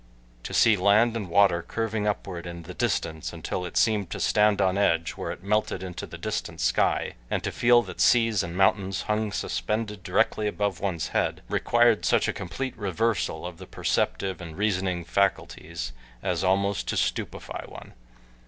To see land and water curving upward in the distance until it seemed to stand on edge where it melted into the distant sky, and to feel that seas and mountains hung suspended directly above one's head required such a complete reversal of the perceptive and reasoning faculties as almost to stupefy one.